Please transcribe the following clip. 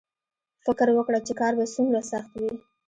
فکر وکړه چې کار به څومره سخت وي